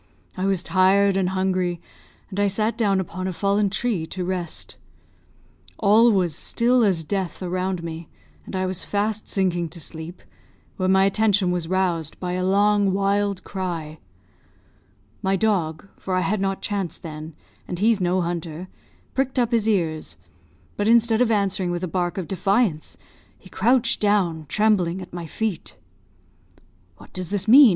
I was tired and hungry, and I sat down upon a fallen tree to rest. All was still as death around me, and I was fast sinking to sleep, when my attention was aroused by a long, wild cry. My dog, for I had not Chance then, and he's no hunter, pricked up his ears, but instead of answering with a bark of defiance, he crouched down, trembling, at my feet. 'What does this mean?'